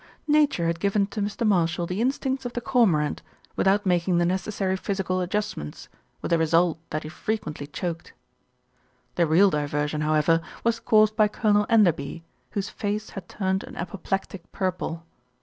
Nature had given to Mr. Marshall the instincts of the cormorant, without making the necessary physical adjustments, with the result that he frequently choked. The real diversion, however, was caused by Colonel Enderby, whose face had turned an apoplectic purple.